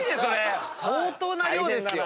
相当な量ですよ。